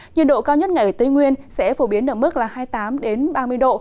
nhiệt độ cao nhất ngày ở tây nguyên sẽ phổ biến ở mức là hai mươi tám ba mươi độ